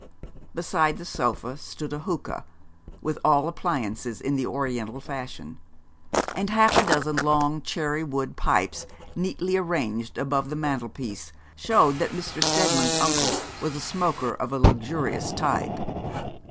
Beside the sofa stood a hookah, with all appliances in the Oriental fashion; and half a dozen long cherry wood pipes neatly arranged above the mantelpiece showed that Mr. Steadman's uncle was a smoker of a luxurious type.